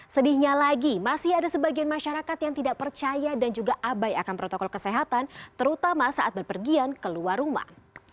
sedihnya lagi masih ada sebagian masyarakat yang tidak percaya dan juga abai akan protokol kesehatan terutama saat berpergian keluar rumah